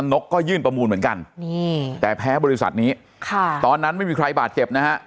นกก็ยื่นประมูลเหมือนกันนี่แต่แพ้บริษัทนี้ค่ะตอนนั้นไม่มีใครบาดเจ็บนะฮะ